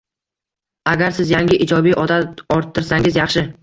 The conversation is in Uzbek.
Agar siz yangi ijobiy odat orttirsangiz yaxshi.